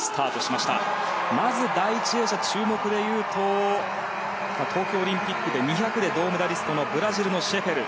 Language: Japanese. まず第１泳者、注目でいうと東京オリンピックで２００ｍで銅メダリストのブラジルのシェフェル。